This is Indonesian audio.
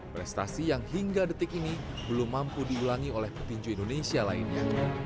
prestasi yang hingga detik ini belum mampu diulangi oleh petinju indonesia lainnya